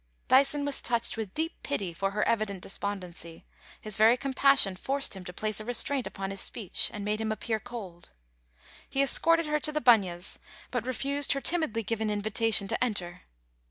Dyson was touched with deep pity for her evident de spondency. His very compassion forced him to place a restraint upon his speech, and made him appear cold. He escorted her to the Bunyas, but refused her timidly given invitation to enter.